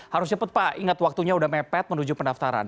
harus cepat pak ingat waktunya udah mepet menuju pendaftaran